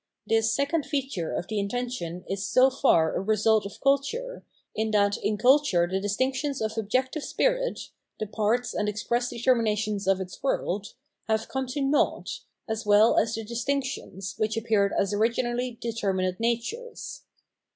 This second feature of the intention is so far a result of culture, in that in cultme the distinctions of objective spirit, the parts and express determinations of its world, have come to naught, as well as the distinctions, which appeared as originally determinate natures.